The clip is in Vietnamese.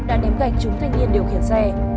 đã ném gạch chúng thanh niên điều khiển xe